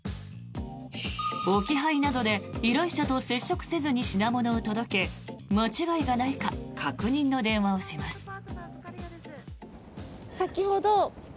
置き配などで依頼者と接触せずに品物を届け間違いがないか確認の電話をします。